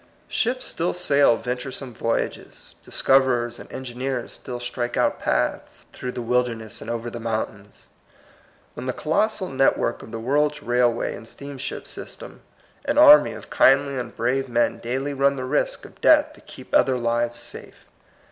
Ships still sail venturesome voyages; discoverers and engineers still strike out paths through the wilderness and over the mountains ; on the colossal network of the world's railway and steamship system an army of kindly and brave men daily run the risks of death to keep other lives safe.